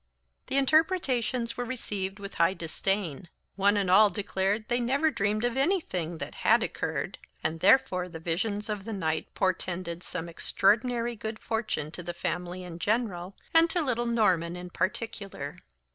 The interpretations were received with high disdain. One and all declared they never dreamed of anything that had occurred; and therefore the visions of the night portended some extraordinary good fortune to the family in general, and to little Norman in particular.